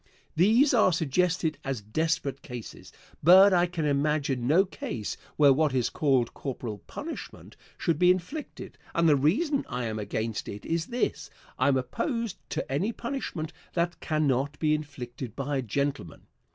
These are suggested as desperate cases, but I can imagine no case where what is called corporal punishment should be inflicted, and the reason I am against it is this: I am opposed to any punishment that cannot be inflicted by a gentleman.